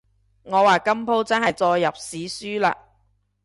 我話今舖真係載入史書喇